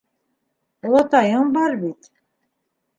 Олатайың бар бит.